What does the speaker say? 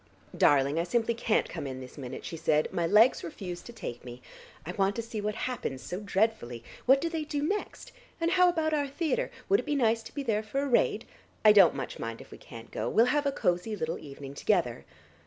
"Darling, I simply can't come in this minute," she said. "My legs refuse to take me. I want to see what happens so dreadfully. What do they do next? And how about our theatre! Would it be nice to be there for a raid? I don't much mind if we can't go, we'll have a cosy little evening together."